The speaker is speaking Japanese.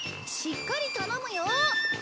しっかり頼むよ。